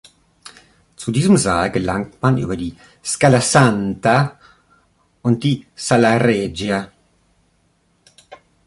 Zu diesem Saal gelangt man über die Scala Santa und die Sala Regia.